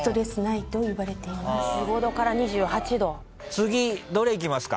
次どれいきますか？